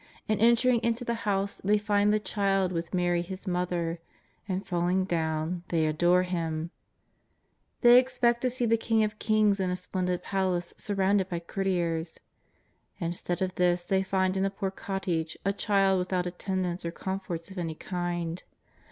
And entering into the house they find the Child with Mary His Mother, and, falling down, they adore Him. They expected to see the King of kings in a splendid palace surrounded by courtiers. Instead of this they find in a poor cottage a child without attendants or com forts of any kind.